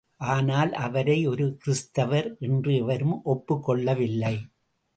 ஆனால், அவரை ஒரு கிறித்துவர் என்று எவரும் ஒப்புக் கொள்ளவில்லை.